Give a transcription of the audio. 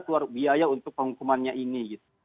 keluar biaya untuk penghukumannya ini